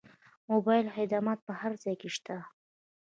موبایل خدمات په هر ځای کې شته.